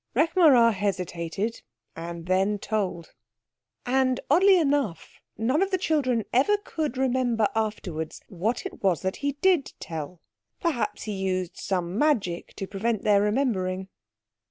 Rekh marā hesitated, then told—and, oddly enough, none of the children ever could remember afterwards what it was that he did tell. Perhaps he used some magic to prevent their remembering.